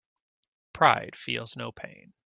Pride feels no pain.